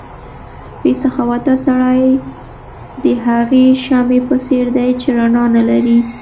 بې سخاوته سړی د هغې شمعې په څېر دی چې رڼا نه لري.